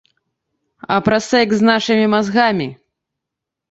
А пра сэкс з нашымі мазгамі.